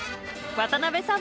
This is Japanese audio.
渡辺さん。